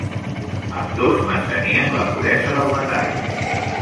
Ambdós mantenien la puresa del metall.